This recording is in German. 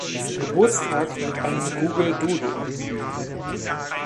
Geburtstag mit einem Google Doodle.